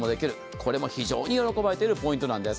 これも非常に喜ばれているポイントなんです。